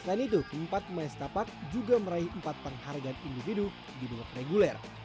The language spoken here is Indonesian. selain itu empat pemain setapak juga meraih empat penghargaan individu di babak reguler